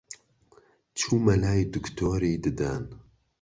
چوومە لای دکتۆری ددان